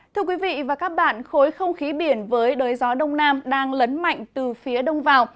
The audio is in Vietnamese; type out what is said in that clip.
thưa quý vị và các bạn khối không khí biển với đới gió đông nam đang lấn mạnh từ phía đông vào